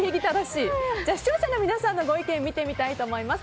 じゃあ、視聴者の皆さんのご意見見てみます。